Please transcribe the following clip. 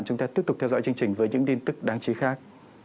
chúng ta tiếp tục theo dõi chương trình với những tin tức đáng chí khác